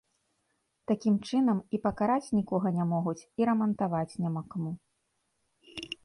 Такім чынам, і пакараць нікога не могуць, і рамантаваць няма каму.